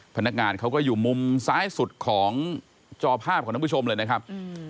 พนักงานเขาก็อยู่มุมซ้ายสุดของจอภาพของท่านผู้ชมเลยนะครับ